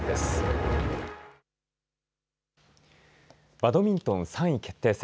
バドミントン３位決定戦。